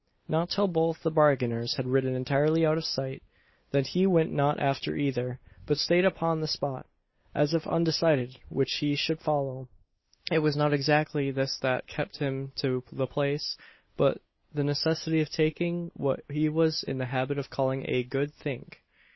Not till both the bargainers had ridden entirely out of sight. Then he went not after either; but stayed upon the spot, as if undecided which he should follow. It was not exactly this that kept him to the place; but the necessity of taking what he was in the habit of calling a "good think."